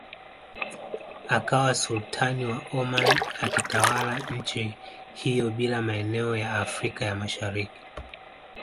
Akawa Sultani wa Oman akitawala nchi hiyo bila maeneo ya Afrika ya Mashariki